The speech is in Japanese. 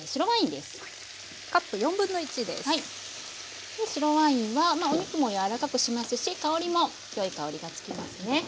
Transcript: ではここに白ワインはお肉も柔らかくしますし香りもよい香りがつきますね。